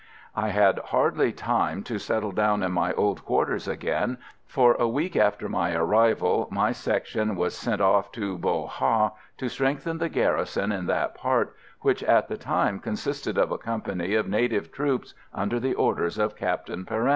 I had hardly time to settle down in my old quarters again, for a week after my arrival my section was sent off to Bo Ha to strengthen the garrison in that part, which at the time consisted of a company of native troops under the orders of Captain Perrin.